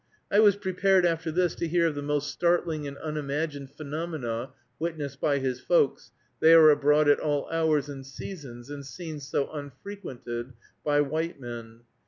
I was prepared after this to hear of the most startling and unimagined phenomena, witnessed by "his folks;" they are abroad at all hours and seasons in scenes so unfrequented by white men.